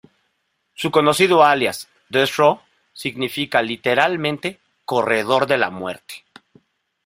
Su conocido alias, Des-row, significa literalmente ""corredor de la muerte"".